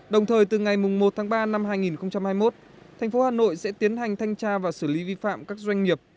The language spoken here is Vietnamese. đồng thời từ ngày một tháng ba năm hai nghìn hai mươi một tp hà nội sẽ tiến hành thanh tra và xử lý vi phạm các doanh nghiệp